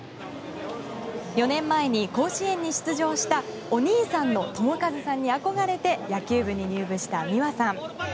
４年前に甲子園に出場したお兄さんの友和さんに憧れて野球部に入部した美和さん。